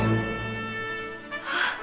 あっ。